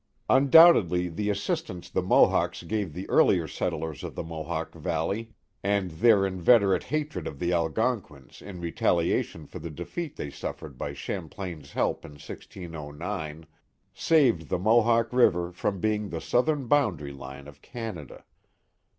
Undoubtedly the assistance the Mohawks gave the earlier settlers of the Mohawk Valley, and their inveterate hatred of the Algonquins in retaliation for the defeat they suffered by Champlain's help in i6og, saved the Mohawk River from be ing the southern boundary line of Canada.